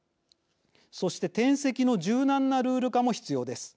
そして転籍の柔軟なルール化も必要です。